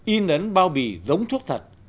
in ấn bao bì giống thuốc thật